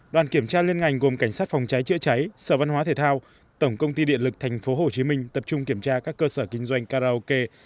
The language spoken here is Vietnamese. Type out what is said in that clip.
đoàn kiểm tra liên ngành gồm cảnh sát phòng cháy chữa cháy sở văn hóa thể thao tổng công ty điện lực tp hcm tập trung kiểm tra các cơ sở kinh doanh karaoke